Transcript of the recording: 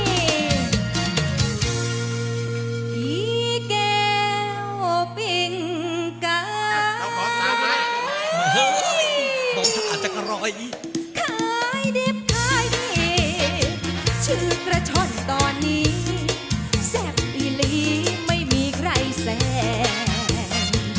ผีแก้วปิงการ้อยขายดิบขายดีชื่อกระช่อนตอนนี้แซ่บอีหลีไม่มีใครแสง